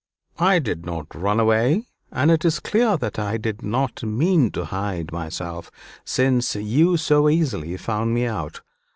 "I did not run away; and it is clear that I did not mean to hide myself, since you so easily found me out.